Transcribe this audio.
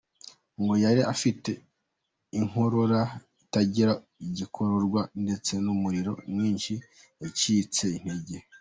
Ngo yari afite inkorora itagira igikororwa ndetse n’umuriro mwinshi, yacitse intege.